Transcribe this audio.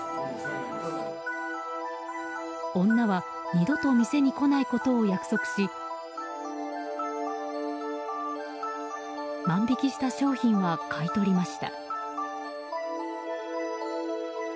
女は二度と店に来ないことを約束し万引きした商品は買い取りました。